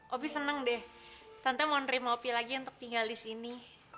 opi seneng deh tante mau nerima opi lagi untuk tinggal disini